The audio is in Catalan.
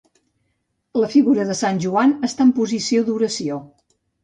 La figura de Sant Joan està en posició d'oració.